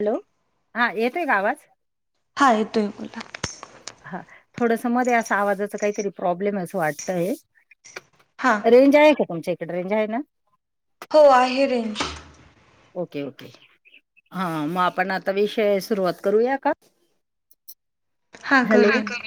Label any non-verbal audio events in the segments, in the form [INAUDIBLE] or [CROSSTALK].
Hello हा येतोय का आवाज? हा येतोय बोला. हा थोडस मध्ये अस आवाजाचा काहीतरी प्रॉब्लेम अस वाटतय. हा रेंज आहे का तुमच्या इकडे रेंज आहे ना. हो आहे रेंज. ओके ओके हा मग आपण आता विषय सुरुवात करूया का? हा हॅलो करूया ना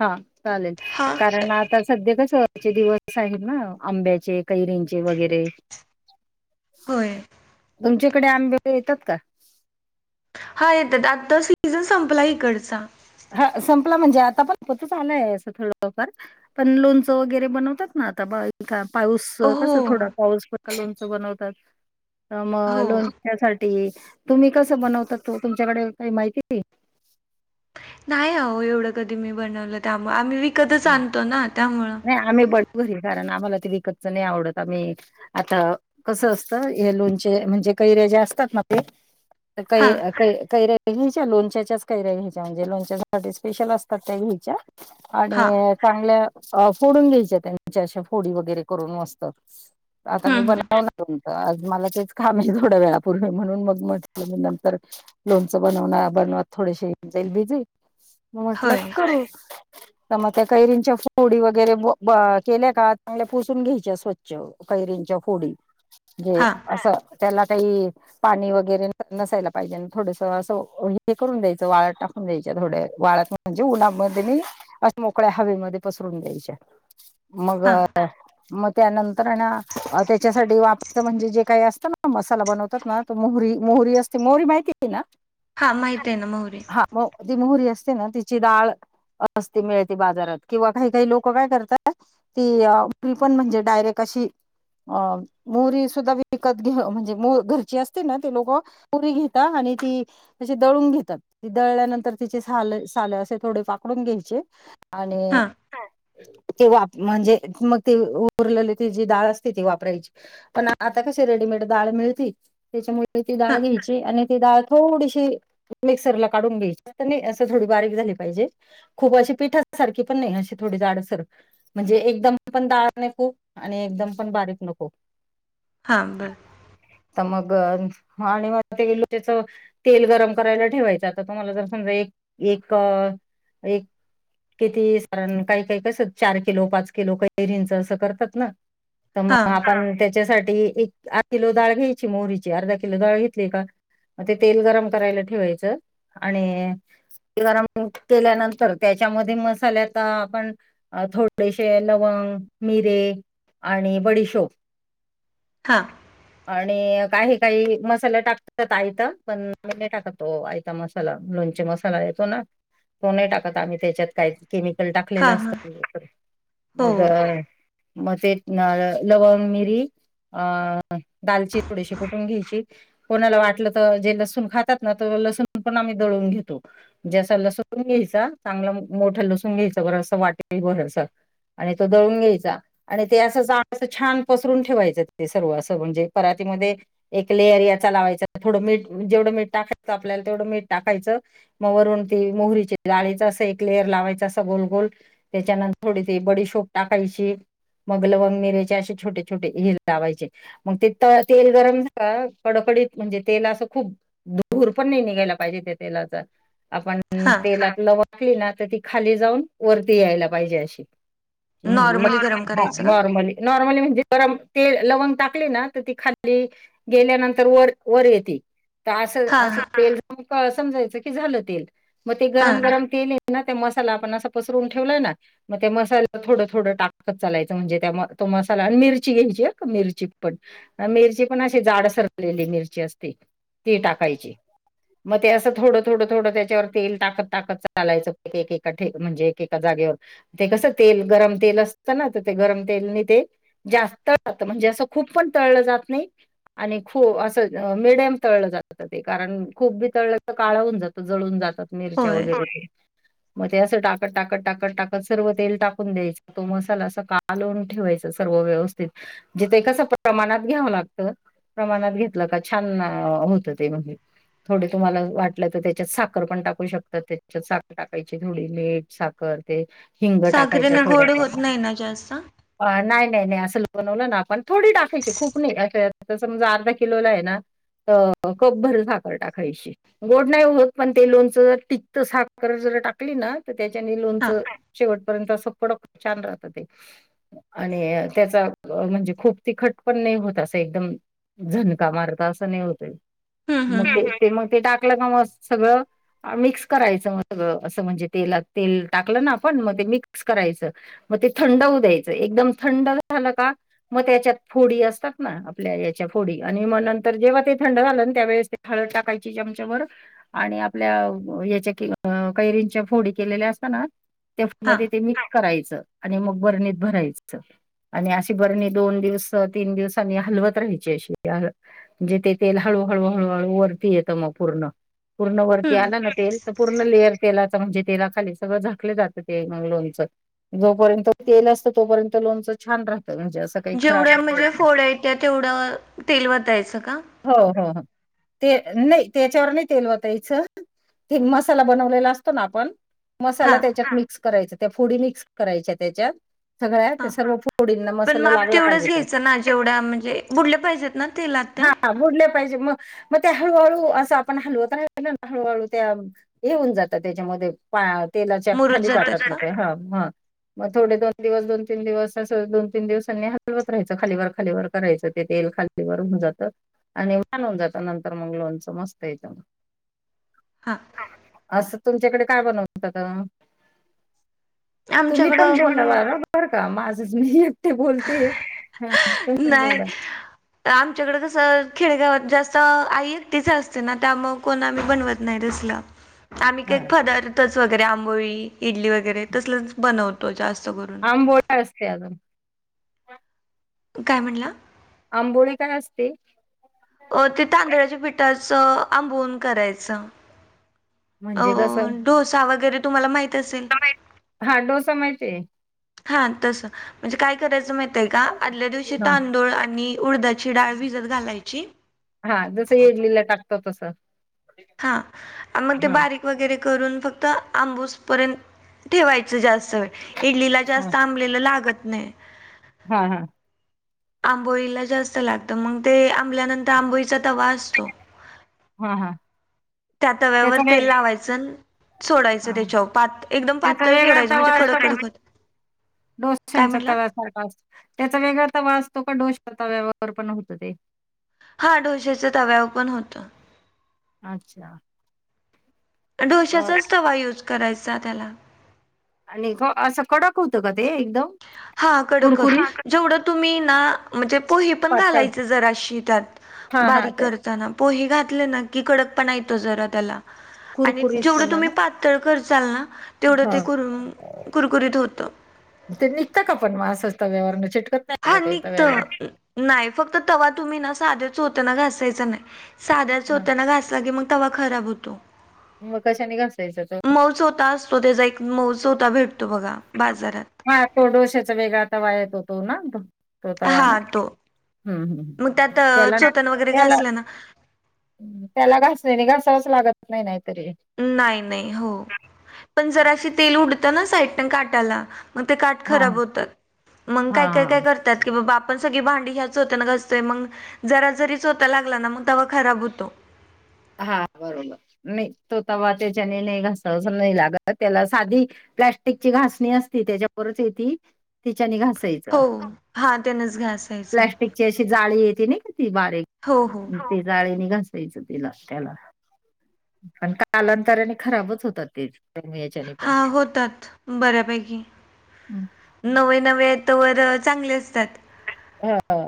हा चालेल हा कारण आता सध्या कसं चे दिवस आहेत ना आंब्याचे कैरींचे वगैरे होय तिकडे आंबे येतात का हा येतात आता सीझन संपला इकडचा हा संपला म्हणजे आता पण झालंय असं थोडंफार पण लोणचं वगैरे बनवतात ना आता पाऊस कसं हो थोडा पाऊस लोणच बनवतात मग हो लोणच्यासाठी तुम्ही कसं बनवता ओ तुमच्याकडे काही माहिती नाही हो एवढं कधी मी बनवलं त्यामुळं आम्ही विकतच आणतो ना त्यामुळं नाही आम्ही बनवू कारण आम्हाला ते विकतचं नाही आवडत आम्ही आता कसं असतं हे लोणचे म्हणजे कैरी ज्या असतात ना ते हा कै कैर्या घ्यायच्या लोणच्याच्याच कैऱ्या घ्यायच्या म्हणजे लोणच्यासाठी स्पेशल असतात त्या घ्यायच्या हा आणि चांगल्या फोडून घ्यायच्या त्यांच्या अशा फोडी वगैरे करून मस्त आता हम्म मी हम्म बनवणार आज मला तेच काम आहे थोड्या वेळापूर्वी म्हणून मग म्हटलं मी नंतर लोणचं बनवणा धनवाद थोडेसे जाईल बिझी मग म्हटलं होय करू तर मग त्या कैरींच्या फोडी वगैरे केल्या का चांगल्या पुसून घ्यायच्या स्वच्छ कैरींच्या फोडी जे हा असं त्याला काही पाणी वगैरे नसायला पाहिजे थोडसं असं हे करून द्यायचं वाळत टाकून द्यायच्या थोड्या वाळत म्हणजे उन्हामध्ये म असं मोकळ्या हवेमध्ये पसरून द्यायच्या मग हा मग त्यानंतर त्याच्यासाठी वापरायचं म्हणजे जे काही असतं ना मसाला बनवतात ना मोहरी मोहरी असते मोहरी माहिती आहेे ना हा माहित आहे ना मोहरी हा मग ती मोहरी असते ना तिची डाळ मस्त मिळते बाजारात किंवा काही काही लोक काय करतात ती आपली पण म्हणजे डायरेक्ट अशी अ मोहरी सुद्धा विकत घे म्हणजे घरची असते ना ते लोक मोहरी घेताात आणि ती अशी दळून घेतात ती दळल्यानंतर तिचे साल साल असे थोडे फाकुन न घ्यायचे आणि हा ते वाप म्हणजे मग ते उरलेले ते जी डाळ असते ती वापरायची पण आता काय रेेडीमेंट डाळ मिळती त्याच्यामुळे ती हा डाळ घ्यायची ती डाळ थोडीशी मिक्सर ला काढून घ्यायची नाही असं थोडी बारीक झाली पाहिजे खूप अशी पिठा सारखी पण नाही अशी थोडी जाड सर म्हणजे एकदम पण दार नाही खूप आणि एकदम पण बारीक नको हां बरं मग आणि मग ते गेल त्याच तेल गरम करायला ठेवायचं आता तुम्हाला जर समजा एक एक एक किती साारण काही काही कसं चार किलो पाच किलो कैरींचं असं करतात ना तर हा मग आपण त्याच्यासाठी ते एक अर्धा किलोडाळ घ्यायची मोहरीची अर्धा किलोडाळ घेतली का मग ते तेल गरम करायला ठेवायचं आणि गरम केल्यानंतर त्याच्यामध्ये मसाल्यात आपण थोडेसे लवंग, मिरे आणि बडिशोप हा आणि काही काही मसाला टाकतात आयता पण मी नाही टाकत आयता मसाला लोणचे मसाला तो न तो नाही टाकत आम्ही त्याच्यात काही केमिकल हा टाकलेलं हा असतं हो मग मग ते लवंग मिरी अ दालची थोडीशी कुठून घ्यायची कोणाला वाटलं तर जे लसूण खातात ना तो लसूण पण आम्ही दळून घेतो जे असं लसुण लसून घ्यायचा चांगलं मोठं लसून घ्यायचं बरस वाटेल बरस आणि तो दळून घ्यायचा आणि ते असं जा छान पसरून ठेवायचं ते सर्व असं म्हणजे पर एक लेअर या लावायचं थोडं मीठ जेवढं मीठ टाकायचं आपल्याला तेवढं मीठ टाकायचं मरणती मोहरीचे ाळीच असं एक लेअर लावायच असं गोलगोल त्याच्यानंतर थोडी त बडीशोप टाकायची मगल वंग मिरेचे असे छोटे छोटे हिर लावायचे मग ते तेल गरम झा कडक. म्हणे खपण निघायला पाजे त्याला हा तेला आपलं वाकली ना तर ती खाली जाऊन वरती यायला पाहिजे अशी ॉ नॉर्मली गरम करायचं का नॉर्मली नॉर्मली म्हणजे ते लवंग टाकली ना तर ती खाल्ली गेल्यानंतर वर वर येते तर असं हा असं हा तेल समजायचं की झालं तेल मग ते हा गरम गरम तेल ते मसाला आपण असा पसरून ठेवलाय ना मग त्या मसाला थोडं थोडं टाकत चालायचं म्हणजे त्या मसाला आणि मिरची घ्यायची मिरची पण मिरची पण अशी जाड सरलेली मिरची असते ती टाकायची मग ते असं थोडं थोडं थोडं त्याच्यावर तेल ताकत ताकत चालायचका म्हणजे एकेका जागेवर ते कस तेल गरम तेल अस ते गरम तेल ते जास्त म्हणजे असं खूप पण तळलं जात नाही आणि खू असं मिडियम तळलं जात ते कारण खूप बी तळलं तर काळा होून जात जळून जातात मिरच्या होय वगैरे मग ते असं टाकत टाकत टाकत टाकत सर्व तेल टाकून द्यायचा तो मसाला असा कालवून ठेवायचा सर्व व्यवस्थित जिथ कस प्रमाणात घ्यावं लागत प्रमाणात घेतलं का छान होतं ते म्हण थोडी तुम्हाला वाटलं तर त्याच्यात साखर पण टाक टू शकतात त्याच्या साख टाकायची थोडी मीठ साखर ते हिंग टाकायच साखरेने थोड गोड होत नाही ना जास्त हां नाही नाही नाही असं ल बनवलं ना आपण थोडी टाकायची खूप नाही समज अर्धा किलोला आहे ना कप भर झाकर टाकायशी गोड नाही होत पण ते लोन त साफ कर ज टाकली ना तर त्याच्या लोणच शेवट छ त्या म्हणज खप खट नाही होत असं एकदम झणका मारता असं नाही होत हम्म मग हम्म हम्म ते ते मग ते टाकलं का म सगळं मिक्स करायचं मग सगळं असं म्हणजे तेलात तेल टाकलं ना आपण मग ते मिक्स करायचं मग ते थंड होऊ द्यायचं एकदम थंड झालं का मग त्याच्यात फोडी असतात ना आपल्या याच्यात ोग नत र जेव्हा थंड झा त्या हळद टाकायचीम आपल्या याच्या कैरींच्या फोडी केलेल्या असताना त्या हां मध्ये ते मिक्स करायचं आणि मग बर्णीत भरायचं आणि अशी बरणी दोन दिवस तीन दिवस हलवत राहायची अशी म्हणजे तेल हळ हळू हळू हळू वरती येत मग पूर्ण पूर्ण वरती आला हम्म ना तेल तर पूर्ण लेअर तेला. म्हणजे तेला खाली सगळं झाकलं जातं ते मग लोणचं जोपर्यंत तेल असतं तोपर्यंत लोनचं छान राह जेवढ्या म्हणजे फोडा येत्या तेवढं तेलवतायचं का. हो हो हो ते नाही त्याच्यावर नाही तेल वतायचं ते मसाला बनवलेला असतो ना आपण मसाला हां त्याच्यात मिक्स करायचा त्या फुडी मिक्स करायच्या त्याच्यात सगळ्या ते हां सर्व फोडींना पण मसाला माप लागला पाहिजे तेवढंच घ्यायचं ना त्या जेवढ्या म्हणजे बुडल्या पाहिजेत ना तेलात त्या हाा बडले पाहिजे मग मग त्या हळूहळू असं आपण हलव तर हळूहळू त्या येऊन जातात त्याच्यामध्ये तेलाच्या मुरूत खाली जातात बाकत का? होते हा ह मग थोडे दोन दिवस दोन तीन दिवस अस दोन तीन दिवसांनी हलवत राहायचं खालीवर खालीवरर करायचं ते खाली जात आणि वानून जात नंतर मंग लोणच मस्त यग हां असं तुमच्याकडे काय बनवत आमच्याकडं अं [UNINTELLIGIBLE] मी एकटी बोलते तुम्ही पण बोला. आमच्याकड कसं खेडगावात जास्त अ आई एकटीच असते ना त्यामुळे कोण आम्ही बनवत नाही तसलं. आम्ही हा काही पदार्थच वगैरे आंबोळी इडली वगैरे तसलच बनवतो जास्त. करून. आंबोळी काय असते अजून. काय म्हणलं. आंबोळी काय नसते. अ ते तांदळाच्या पिठाचं आंबवून करायचं. अ म्हणजे कसं डोसा वगैरे तुम्हाला माहित हा डोसा माहितीये. हा तस म्हणजे काय करायचं माहित आहे का आदल्या दिवशी हा तांदूळ आणि उडदाची डाळ भिजत घालायची हा जसं इडलीला टाकत तस. हा मग ते बारीक वगैरे करून फक्त आंबूस पर्यंत ठेवायच जास्त वेळ इडलीला हा जास्त आंबलेलं लागत नाही. हा हा. आंबोळीला जास्त लागत मग ते आंबल्यानंतर आंबोळीचा तवा असतो हा हा. त्या तव्यावर त्याचा तेल वेग लावायचंन सोडायचं हा त्याच्यावर पात एकदम पातळ सोडायचं म्हणजे कडक कडक होत डोश्याच्या तवा सारखा असतो त्याचा वेगळा तवा असतो का डोश च्या तव्यावर पण होत ते. हा डोषाच्या तव्यावर पण होतं. अच्छा. बर ढोश्याचाच तवा यूज करायचा त्याला. आणि थो असं कडक होतं का ते एकदम हा कडक होत कुरकुरीत जेवढं तुम्ही ना म्हणजे पोहे पण पातळ घालायचे जराशी त्यात. हा हा बारीक ते करताना पोहे घातले ना की कडक पणा येतो जरा त्याला. [UNINTELLIGIBLE] आणि जेवढं पणा तुम्ही ना पातळ करशाल ना तेवढं ते हा कुर कुरकुरीत होतं. ते निघत का पण म असंच तव्यावरनं चिट हा निघत नाही फक्त तवा तुम्ही ना साध्या चोथ्यान घासायचा नाय. साध्या हा चोथ्यान घासला की मग तवा खराब होतो. मग कशाने घासायचं तो मऊ चोथा असतो त्याचा एक मउ चोथा भेट हा तो डोश्याचा वेगळा तवा येतो तो ना तो तवा ना हां तो. हम्म मग त्यात हम् अ, त्याला चोतन वगैरे त्याला घासला ना त्याला घासनी नी घासावच लागत नाही नाही नाही नाही हो पण जरास तेल उडत ना साईड काठाला. मग ते काठ हा खराब होतात मग हा काय काय काय करतात की बा आपण सगळी भांडी ह्याच चोथ्यान घासतोय मग जरा जरी चोथा लागला ना मग तवा खराब होतो. हा बरोबर नाही तो तवा त्याच्याने नाही घासवाच नाही लागत त्याला साधी प्लॅस्टिकची घासणी असती त्याच्यापरच येती तिच्यानी घास यचा हो हां त्यानच घासायचं. प्लास्टिकची अशी जाळी येते नई ती हो हो बारीक ती जाळीने घासायचं. तिला त्याला पण कालांतराने खराबच होतात ते. त्यामुळे याच्याने हा पण होतात बऱ्यापैकी हं. नवे नवे तवर चांगले असतात. हा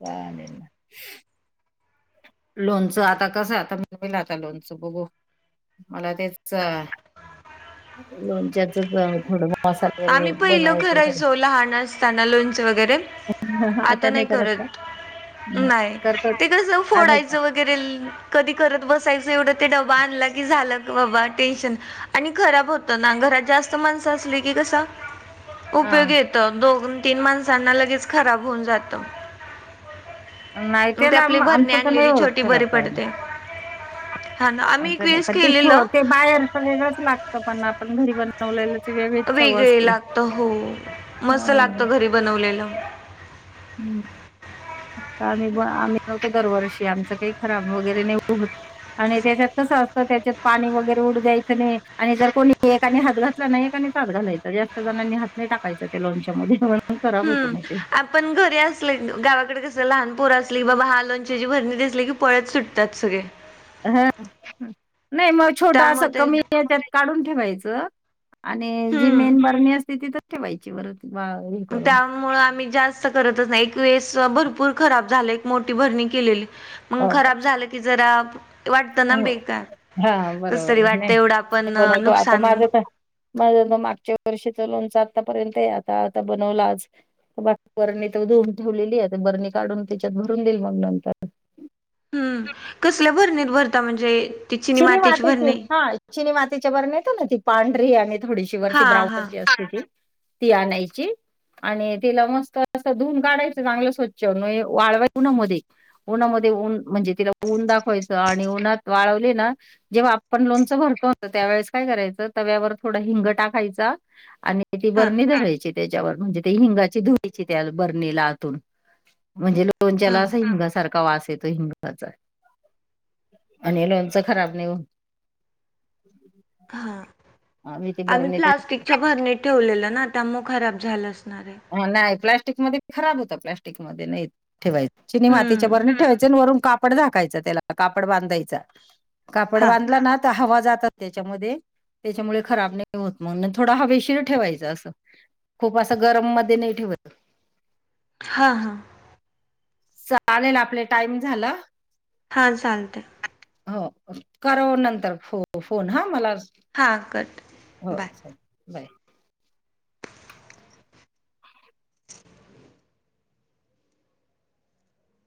चालेल. लोनचं आता कसं आता [UNINTELLIGIBLE] आता लोनचं बघू मला तेच लोणच्याच त थोडं बोला आम्ही पहिलो करायचो लहान असताना लोंच वगैरे. ह हा आता नाही करत का. नाही ते कस आम्ही पण. फोडायचं वगैरे ल कधी करत बसायचं तेवड ते डबा आणला की झालं बाबा टेंशन, आणि खराब होत ना घरात जास्त माणस असली की. की कस हा उपयोगी येत दोन तीन माणसांना लगेच खराब होऊन जातं. नाही मग ते त्याला आपली आम- बरणी आमचं तर नाही आणलेली होत छोटी बरी खराब काय नाही पडते. हा ना आम्ही एक नाही वेळेस पण ते केलेलं छो बाहेरच वेगळंच लागतं पण आपण घरी बनवलेलं ची वेगळीच चव वेगळे असते लागत हो मस्त लागत हा. घरी बनवलेलं. हम्म. आता आम्ही ब आम्ही बनवतो दरवर्षी आमच काही खराब वगैरे नाही होत. आणि त्याच्यात कसं असतं त्याच्यात पाणी वगैरे उडू द्यायचं नाही आणि जर कोणी एकाने हात घातला ना एकानी नीच हात घालायचा जास्त जणांनी हात नाही टाकायचा त्या लोणच्यात. हम्म आपण घरी आस. [UNINTELLIGIBLE] गावाकडे कस लहान पोर असली बाबाहा लोंच्याची भरणी दिसली की पळत सुटतात सगळे. ह नाही म छोट अस त्यामुळे ते कमी ह्याच्यात काढून ठेवायचं. आणि जी हम्म. मेन बर्णी असते तिथच ठेवायची वरच त्यामुळे आम्ही जास्त. जास्त करतच नाही एक वेेळेस भरपूर खराब झाल एक म्होठी बरणी केलेली मग खराब झालं की जरा. वाटतं ना हो बेकार हा कस तरी बरोबर वाटतं एवढं आपण बनवतो आता नुकसान माझ पण माझ ब मागच्या वर्षीच लोनच आतापर्यंत ए आता आता बनवल आज. बा बरणी तर धुवून ठेवलेली आहे आता बरणी काढून त्याच्यात भरून देईल मग नंतर. हम्म कसल्या भरणीत भरता म्हणजे? ती चिनी मातेची मातीची भरणी हा चिनी मातीच्या बरण्या येतो ना ती पांढरी आणि. थोडीशी हा वरती ब्राउन हा जी असते ती ती आणायची. आणि तिला मस्त अस धुून काढायचं चांगलं स्वच्छ म्हये वाळवाय उन्हामध्ये उन्हामध्ये. ऊन म्हणजे तिला ऊन दाखवायचं आणि ऊनात वाळव. ना जेव्हा आपण लोंच भरतो त त्यावेळेस काय करायच तव्यावर थोड हिंग टाकायचा आणि ती हा बरनी धरायची त्याच्यावर म्हणजे ते हिंगाची धुरी ची त्या बरणीला आतून म्हणजे लोण हा लोणच्याला असा हिंगासारखा वास येतो हिंगाचा आणि लोणच. खराब नाई होत. हा ते आम्ही बरणीत प्लास्टिकच्या भरणीत ठेवलेलं ना त्या मुळ खराब झालं आसल. हो नाय प्लॅस्टिक मध्ये खराब होत प्लॅस्टिक मध्ये नाही ठेवायच. चिनी मातीच्या हम्म बरणीत ठेवायचे आन वरून कापड झाकायचं त्याला कापड बांधायच. कापड हा बांधला ना त हवा जातात त्याच्यामध्ये त्याच्यामुळे खराब नाई होत मग थोडा हवेशीर ठेवायचं असं खूप असं गरम मध्ये नाही ठेवत. हा हा चालेल आपले टाईम झाल. हा चालतंय. हो करा ओ नंतर फोन फोन हा मला. हा करते हो बाय. चालेल. बाय